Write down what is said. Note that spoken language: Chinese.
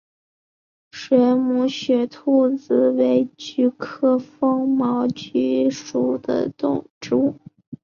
水母雪兔子为菊科风毛菊属的植物。